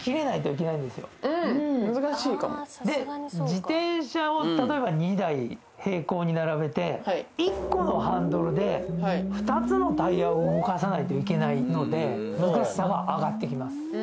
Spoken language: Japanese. うん難しいかもで自転車を例えば２台平行に並べて１個のハンドルで２つのタイヤを動かさないといけないので難しさは上がってきます